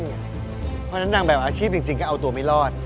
เพราะฉะนั้นนางแบบอาชีพจริงก็เอาตัวไม่รอด